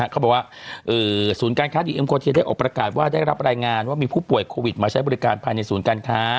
เขาบอกว่าศูนย์การค้าดีเอ็มโคเทียได้ออกประกาศว่าได้รับรายงานว่ามีผู้ป่วยโควิดมาใช้บริการภายในศูนย์การค้า